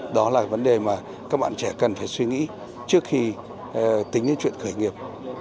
đó là vấn đề mà các bạn trẻ cần phải suy nghĩ trước khi tính đến chuyện khởi nghiệp